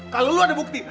kalau lu ada bukti